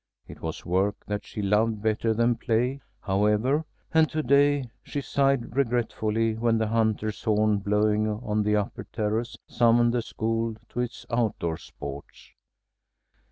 It was work that she loved better than play, however, and to day she sighed regretfully when the hunter's horn, blowing on the upper terrace, summoned the school to its outdoor sports.